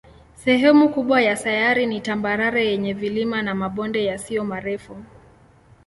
Sehemu kubwa ya sayari ni tambarare yenye vilima na mabonde yasiyo marefu.